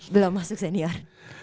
belum masuk senior